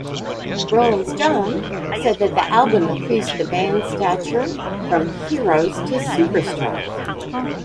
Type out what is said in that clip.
"Rolling Stone" said that the album increased the band's stature "from heroes to superstars".